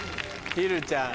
ひるちゃん。